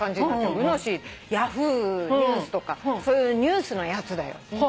「Ｙａｈｏｏ！ニュースとかそういうニュースのやつだよ」